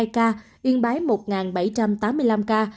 yên bái một bảy trăm tám mươi năm ca